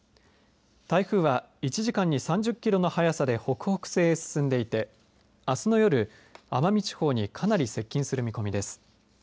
台風は１時間に３０キロの速さで北北西へ進んでいてあすの夜、奄美地方にかなり接近する見込みです。